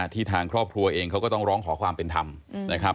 ทางครอบครัวเองเขาก็ต้องร้องขอความเป็นธรรมนะครับ